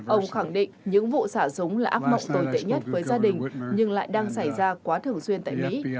ông khẳng định những vụ xả súng là áp mọc tồi tệ nhất với gia đình nhưng lại đang xảy ra quá thường xuyên tại mỹ